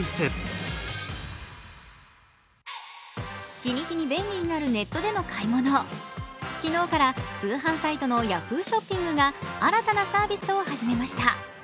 日に日に便利になるネットでの買い物昨日から通販サイトのＹａｈｏｏ！ショッピングが新たなサービスを始めました。